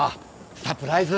サプライズ。